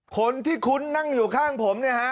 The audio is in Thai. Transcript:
คนที่คุ้นนั่งอยู่ข้างผมเนี่ยฮะ